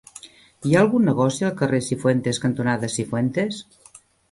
Hi ha algun negoci al carrer Cifuentes cantonada Cifuentes?